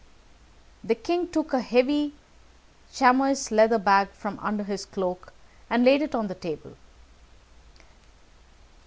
The king took a heavy chamois leather bag from under his cloak, and laid it on the table.